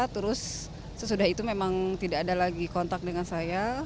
terus sesudah itu memang tidak ada lagi kontak dengan saya